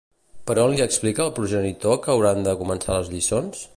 Per on li explica el progenitor que hauran de començar les lliçons?